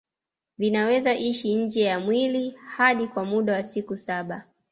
Vinaweza ishi nje ya mwili hadi kwa muda wa siku saba